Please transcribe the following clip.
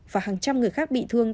và hàng trăm người khác bị thương